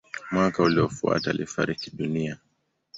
Mwaka uliofuata alifariki dunia.